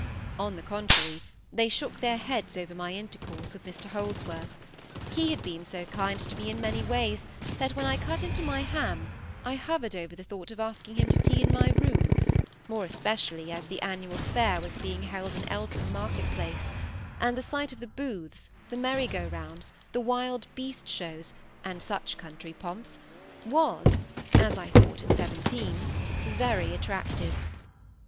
On the contrary, they shook their heads over my intercourse with Mr Holdsworth. He had been so kind to me in many ways, that when I cut into my ham, I hovered over the thought of asking him to tea in my room, more especially as the annual fair was being held in Eltham market place, and the sight of the booths, the merry go rounds, the wild beast shows, and such country pomps, was (as I thought at seventeen) very attractive.